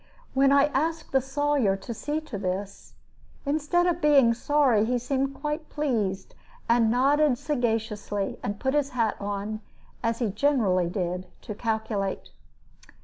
When I asked the Sawyer to see to this, instead of being sorry, he seemed quite pleased, and nodded sagaciously, and put his hat on, as he generally did, to calculate.